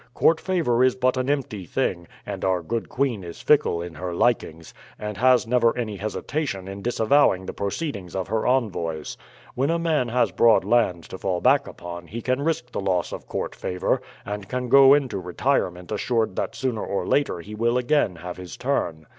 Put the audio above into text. Court favour is but an empty thing, and our good queen is fickle in her likings, and has never any hesitation in disavowing the proceedings of her envoys. When a man has broad lands to fall back upon he can risk the loss of court favour, and can go into retirement assured that sooner or later he will again have his turn.